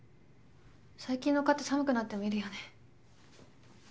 最近の蚊って寒くなってもいるよね。